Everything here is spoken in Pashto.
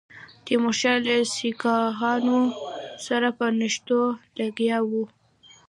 تیمورشاه له سیکهانو سره په نښتو لګیا وو.